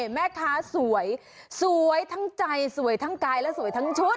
แม่ค้าสวยสวยทั้งใจสวยทั้งกายและสวยทั้งชุด